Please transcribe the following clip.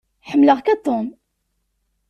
Ḥemmleɣ-k a Tom.